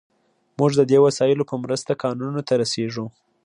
موږ د دې وسایلو په مرسته کانونو ته رسیږو.